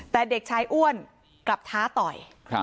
แต่เด็กชายอ้วนกลับท้าต่อย